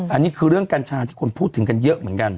อันนี้คือเรื่องกัญชาที่คนพูดถึงกันเยอะเหมือนกัน